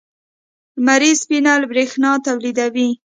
لمریز پینل برېښنا تولیدوي.